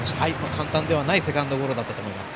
簡単ではないセカンドゴロだったと思います。